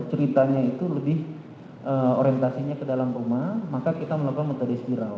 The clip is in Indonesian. ceritanya itu lebih orientasinya ke dalam rumah maka kita melakukan metode spiral